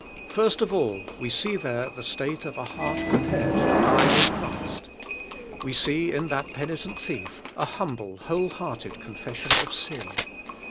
First of all, we see there the state of a heart prepared to die with Christ. We see in that penitent thief, a humble, whole hearted 124 DEAD WITH CHRIST confession of sin.